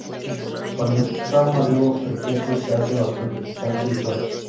Cuando está maduro, el queso se hace bastante picante y fuerte.